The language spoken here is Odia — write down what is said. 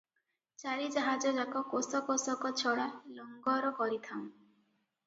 ଚାରି ଜାହାଜଯାକ କୋଶକୋଶକ ଛଡା ଲଙ୍ଗର କରିଥାଉଁ ।